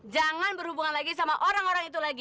jangan berhubungan lagi sama orang orang itu lagi